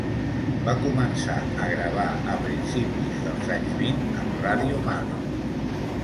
Va començar a gravar a principis dels anys vint amb Radio Mali.